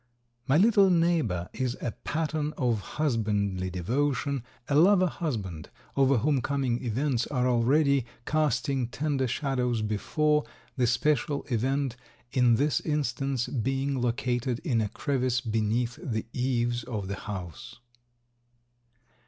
My little neighbor is a pattern of husbandly devotion, a lover husband over whom coming events are already casting tender shadows before, the special event in this instance being located in a crevice beneath the eaves of the house.